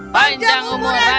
panjang umur raja panjang umur raja